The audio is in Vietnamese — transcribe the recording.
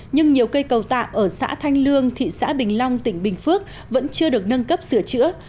nhưng nhiều cây cầu tạm ở xã thanh lương thị xã bình long tỉnh bình phước vẫn chưa được nâng cấp sửa chữa